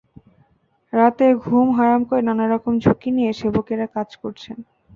রাতের ঘুম হারাম করে নানা রকম ঝুঁকি নিয়ে সেবকেরা কাজ করছেন।